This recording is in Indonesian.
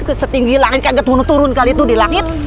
kesetinggi langit kaya keturun turun kali itu di langit